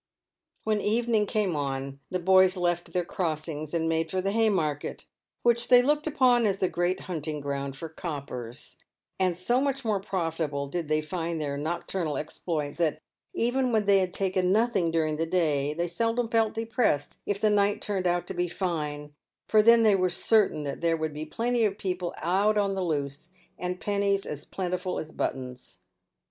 "When evening came on the boys left their crossings and made for the Haymarket, which they looked upon as the great hunting ground for "coppers," and so much more profitable did they find their nocturnal exploits, that, even when they had taken nothing during the day, they seldom felb depressed if the night turned out to be fine, for then they were certain that there would be plenty of people " out on the loose," and pennies as plentiful as buttons.